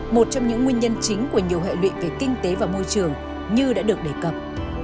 một trong những nguyên nhân chính của nhiều hệ lụy về kinh tế và môi trường như đã được đề cập